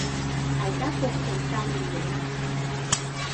Айда коктын таҥ лийына?